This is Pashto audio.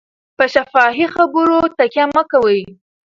په شفاهي خبرو تکیه مه کوئ.